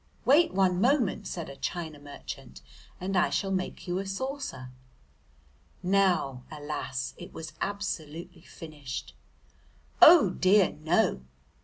"Wait one moment," said a china merchant, "and I shall make you a saucer." Now alas, it was absolutely finished. Oh, dear no!